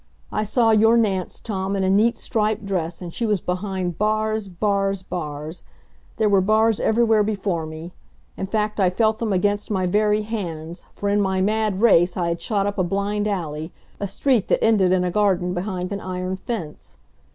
I saw your Nance, Tom, in a neat striped dress, and she was behind bars bars bars! There were bars everywhere before me. In fact, I felt them against my very hands, for in my mad race I had shot up a blind alley a street that ended in a garden behind an iron fence.